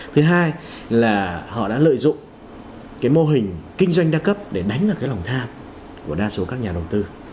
thứ hai là họ đã lợi dụng cái mô hình kinh doanh đa cấp để đánh được cái lòng tham của đa số các nhà đầu tư